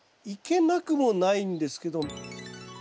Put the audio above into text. いけなくもないんですけど。